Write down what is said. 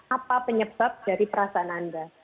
apa penyebab dari perasaan anda